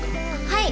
はい！